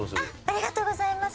ありがとうございます。